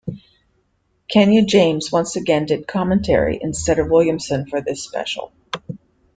Kenna James once again did commentary instead of Williamson for this special.